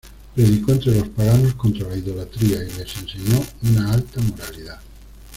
Predicó entre los paganos contra la idolatría y les enseñó una alta moralidad.